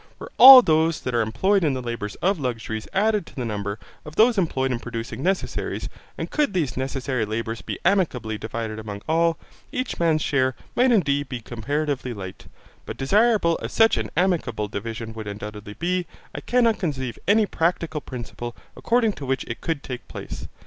Were all those that are employed in the labours of luxuries added to the number of those employed in producing necessaries, and could these necessary labours be amicably divided among all, each man's share might indeed be comparatively light; but desirable as such an amicable division would undoubtedly be, I cannot conceive any practical principle according to which it could take place.